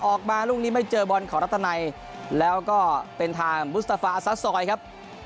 ออกมาลูกนี้ไม่เจอบอลของรัฐนัยแล้วก็เป็นทางบุษาฟาอาซาซอยครับ